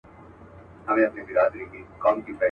مه نیسه چېغو ته کاڼه غوږونه.